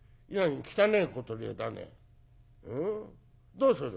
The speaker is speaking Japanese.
どうする？